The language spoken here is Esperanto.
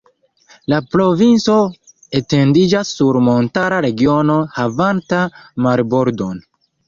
La provinco etendiĝas sur montara regiono havanta marbordon.